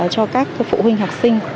cho các phụ huynh học sinh